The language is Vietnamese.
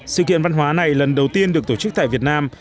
sự kiện văn hóa này lần đầu tiên được tổ chức tại việt nam